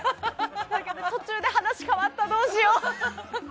だけど途中で話変わったどうしようって。